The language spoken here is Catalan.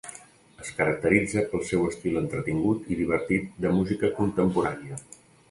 Es caracteritza pel seu estil entretingut i divertit de música contemporània.